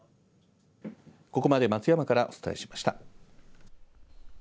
ここまで松山からお伝えしました。